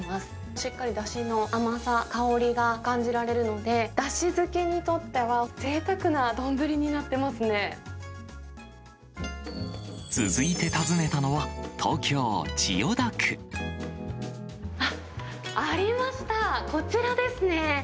しっかりだしの甘さ、香りが感じられるので、だし好きにとっては、続いて訪ねたのは、東京・千あっ、ありました、こちらですね。